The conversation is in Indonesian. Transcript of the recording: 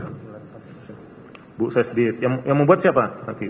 ibu yang membuat siapa